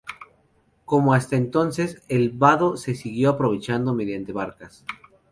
Como hasta entonces, el vado se sigo aprovechando mediante barcas.